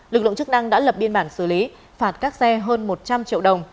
lực lượng chức năng đã lập biên bản xử lý phạt các xe hơn một trăm linh triệu đồng